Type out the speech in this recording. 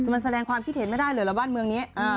มันแสดงความคิดเห็นไม่ได้เลยเหรอบ้านเมืองนี้